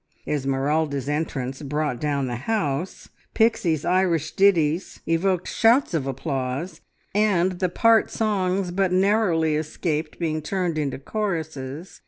Esmeralda's entrance brought down the house, Pixie's Irish ditties evoked shouts of applause, and the part songs but narrowly escaped being turned into choruses.